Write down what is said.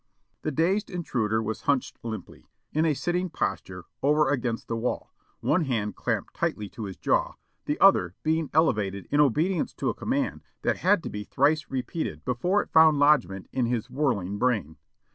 The dazed intruder was hunched limply, in a sitting posture, over against the wall, one hand clamped tightly to his jaw, the other being elevated in obedience to a command that had to be thrice repeated before it found lodgment in his whirling brain.